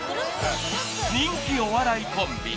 人気お笑いコンビ